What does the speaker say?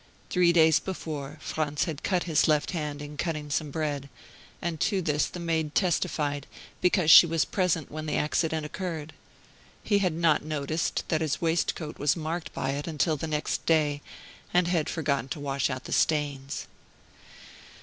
Three days before, Franz had cut his left hand in cutting some bread; and to this the maid testified, because she was present when the accident occurred. He had not noticed that his waistcoat was marked by it until the next day, and had forgotten to wash out the stains.